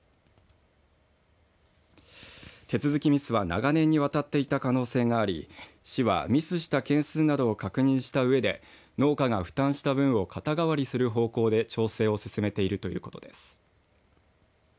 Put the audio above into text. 手続きミスは長年にわたっていた可能性があり市は、ミスした件数などを確認したうえで農家が負担した分を肩代わりする方向で調整を進めているということです。